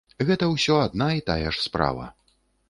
Гэта ўсё адна і тая ж справа.